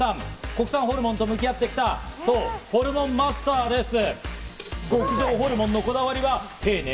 国産ホルモンと向き合ってきたホルモンマスターです。